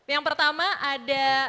yang pertama ada